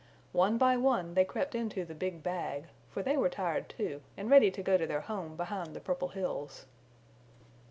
One by one they crept into the big bag, for they were tired, too, and ready to go to their home behind the Purple Hills.